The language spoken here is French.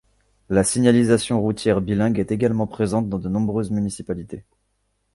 La signalisation routière bilingue est également présente dans de nombreuses municipalités.